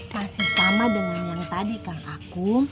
masih sama dengan yang tadi kang aku